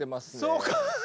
そうか。